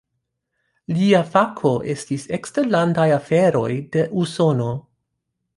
Lia fako estis eksterlandaj aferoj de Usono.